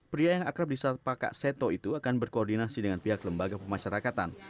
pria yang akrab di saat pakak seto itu akan berkoordinasi dengan pihak lembaga pemasyarakatan